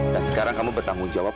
dan sekarang kamu bertanggung jawab